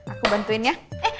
aku bantuin ya